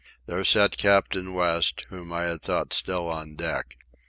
There sat Captain West, whom I had thought still on deck.